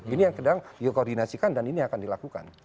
ini yang kadang dikoordinasikan dan ini yang akan dilakukan